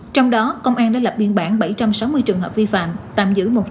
trong đó công an đã lập biên bản bảy trăm sáu mươi trường hợp vi phạm